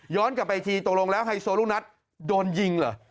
หย้อนกลับไปทีตกลงแล้วไฮโซลูนัทโดนหญิงเหรอ